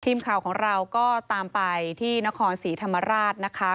ทีมข่าวของเราก็ตามไปที่นครศรีธรรมราชนะคะ